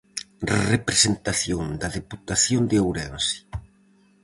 Representación da Deputación de Ourense.